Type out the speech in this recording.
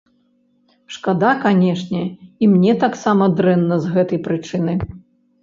Шкада, канешне, і мне таксама дрэнна з гэтай прычыны.